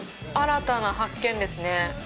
新たな発見ですね。